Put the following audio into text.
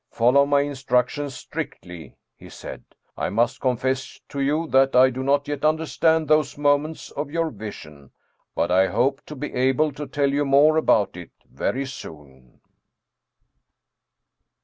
" Follow my instructions strictly," he said. " I must con fess to you that I do not yet understand those moments of your vision. But I hope to be able to tell you more about it very soon."